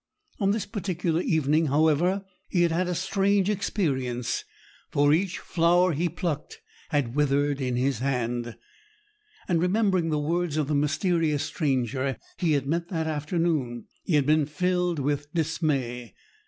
On this particular evening, however, he had had a strange experience, for each flower he plucked had withered in his hand, and remembering the words of the mysterious stranger he had met that afternoon, he had been filled with dismay.